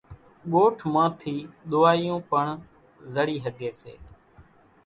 ڳوٺ مان ٿِي ۮووايون پڻ زڙِي ۿڳيَ سي۔